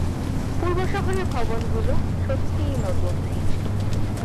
পূর্ব শহরের ভবনগুলো সত্যিই নতুন।